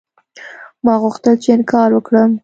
ما غوښتل چې انکار وکړم.